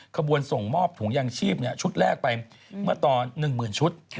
ขบวนส่งมอบถุงยางชีพชุดแรกไปเมื่อตอน๑๐๐๐ชุด